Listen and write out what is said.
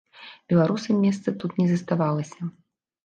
Беларусам месца тут не заставалася.